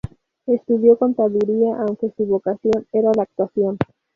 Estudió contaduría, aunque su vocación era la actuación.